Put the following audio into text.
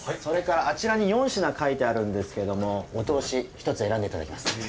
それからあちらに４品書いてあるんですけどもお通し１つ選んでいただきます。